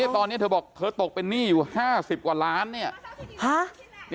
ตอนนี้เธอบอกเธอตกเป็นหนี้อยู่๕๐กว่าล้านเนี่ย